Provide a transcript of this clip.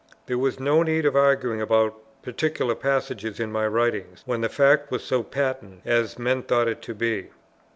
There was no need of arguing about particular passages in my writings, when the fact was so patent, as men thought it to be.